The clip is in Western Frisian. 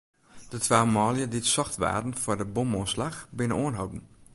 De twa manlju dy't socht waarden foar de bomoanslach, binne oanholden.